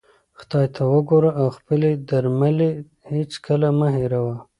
خدای ته وګوره او خپلې درملې هیڅکله مه هېروه.